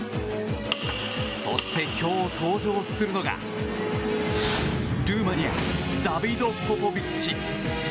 そして今日登場するのがルーマニアダビド・ポポビッチ。